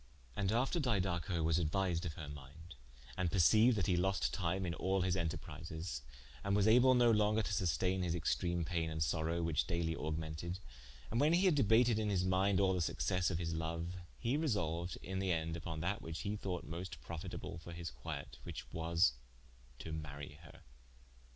And after Didaco was aduertised of her minde, and perceiued that he lost time in all his enterprises, and was able no longer to susteine his extreme paine and sorowe, whiche daily augmented, and when hee had debated in his minde all the successe of his loue, he resolued in the end vpon that which he thought moste profitable for his quiet, whiche was to marye her.